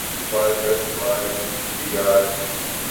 افواج کا استعمال کیا گی